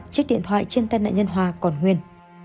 chiếc điện thoại trên tên nạn nhân hoa còn nguyên